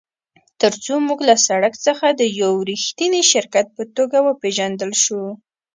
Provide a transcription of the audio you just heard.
ترڅو موږ له سړک څخه د یو ریښتیني شرکت په توګه وپیژندل شو